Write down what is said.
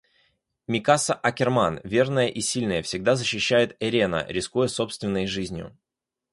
Микаса Аккерман, верная и сильная, всегда защищает Эрена, рискуя собственной жизнью.